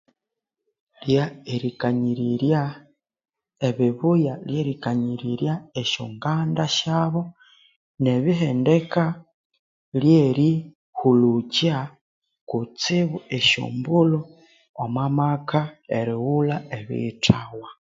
Lya erikanyirirya ebibuya, erikanyirirya esya Uganda syabu, ne bihendeka lyeri hulhukya esyo mbulho omu maka erighulha ebiyi thawa